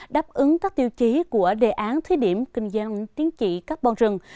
đáp ứng các tiêu chí của đề án thí điểm kinh doanh tính trị carbon rừng